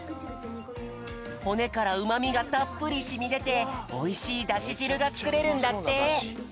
ほねからうまみがたっぷりしみでておいしいダシじるがつくれるんだって。